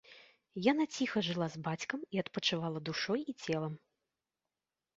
Яна ціха жыла з бацькам і адпачывала душой і целам.